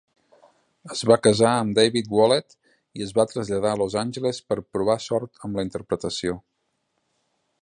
Es va casar amb David Wallett, i es va traslladar a Los Àngeles per provar sort amb la interpretació.